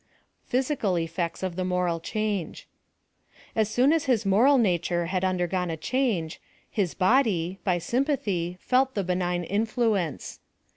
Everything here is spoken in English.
Physical effects of the moral change. As soon us hi.s moral nature had undergone a change, his body, by sympathy felt the benign influence.